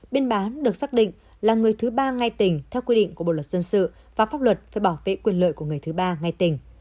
biên bán được xác định là người thứ ba ngay tỉnh theo quy định của bộ luật dân sự và pháp luật phải bảo vệ quyền lợi của người thứ ba ngay tỉnh